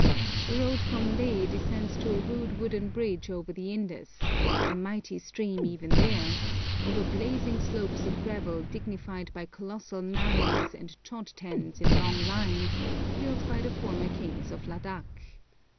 The road from Leh descends to a rude wooden bridge over the Indus, a mighty stream even there, over blazing slopes of gravel dignified by colossal manis and chod tens in long lines, built by the former kings of Ladak.